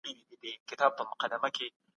موږ بايد د سياست په اړه د علمي تګلارو ملاتړ وکړو.